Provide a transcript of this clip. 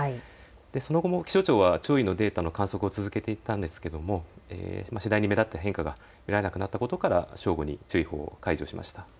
その後も気象庁は潮位のデータの観測を続けていったんですが次第に目立った変化が得られなくなったことから正午に注意報を解除しました。